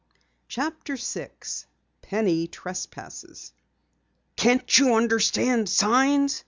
CHAPTER 6 PENNY TRESPASSES "Can't you understand signs?"